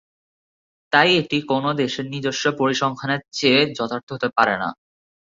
তাই এটি কোন দেশের নিজস্ব পরিসংখ্যানের চেয়ে যথার্থ হতে পারে না।